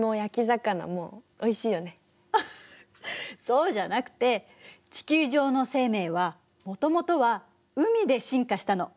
そうじゃなくて地球上の生命はもともとは海で進化したの。